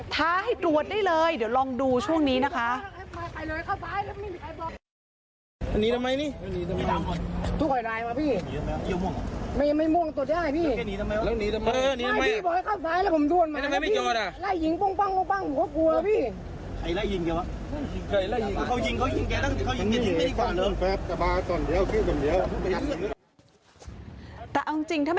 ท้าให้ตรวจได้เลยเดี๋ยวลองดูช่วงนี้นะคะ